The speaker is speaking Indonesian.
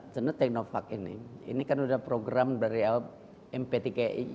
ternyata technopark ini ini kan sudah program dari mptki